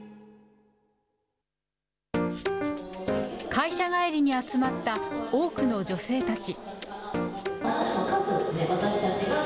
会社帰りに集まった多くの女性たち。